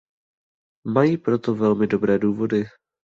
Mají pro to velmi dobré důvody.